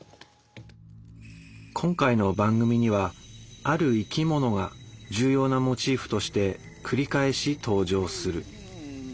今回の番組にはある生き物が重要なモチーフとして繰り返し登場する。